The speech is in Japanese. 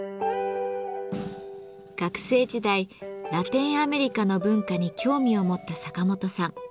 学生時代ラテンアメリカの文化に興味を持ったサカモトさん。